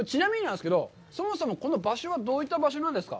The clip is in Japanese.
そもそもこの場所はどういった場所なんですか？